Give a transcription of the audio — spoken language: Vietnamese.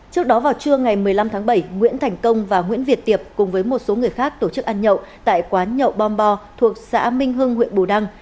trước đó vào trưa ngày một mươi năm tháng bảy nguyễn thành công và nguyễn việt tiệp cùng với một số người khác tổ chức ăn nhậu tại quán nhậu bom thuộc xã minh hưng huyện bù đăng